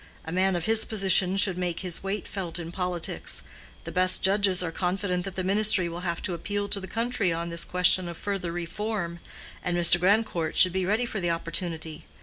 A man of his position should make his weight felt in politics. The best judges are confident that the ministry will have to appeal to the country on this question of further Reform, and Mr. Grandcourt should be ready for the opportunity.